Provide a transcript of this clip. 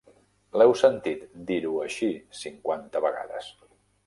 L'heu sentit dir-ho així cinquanta vegades.